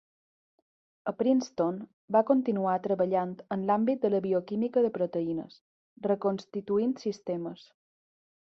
A Princeton, va continuar treballant en l'àmbit de la bioquímica de proteïnes, reconstituint sistemes.